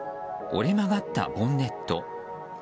折れ曲がったボンネット。